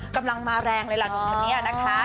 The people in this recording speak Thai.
กำลังมาแรงดานมนี้นะคะ